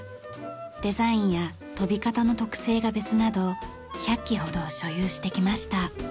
デザインや飛び方の特性が別など１００機ほど所有してきました。